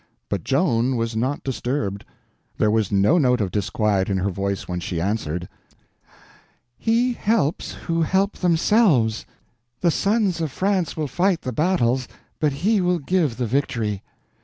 But Joan was not disturbed. There was no note of disquiet in her voice when she answered: "He helps who help themselves. The sons of France will fight the battles, but He will give the victory!"